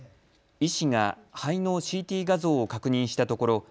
医師が肺のＣＴ画像を確認したところ